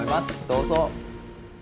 どうぞ。